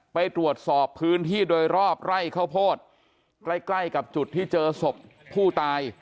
ไปตรวจสอบพื้นที่โดยรอบไร่ข้าวโพดใกล้ใกล้กับจุดที่เจอศพผู้ตาย